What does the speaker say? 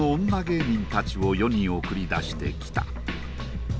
芸人たちを世に送り出してきた。